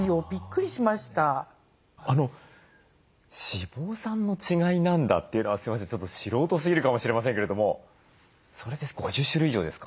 脂肪酸の違いなんだというのはすいませんちょっと素人すぎるかもしれませんけれどもそれで５０種類以上ですか？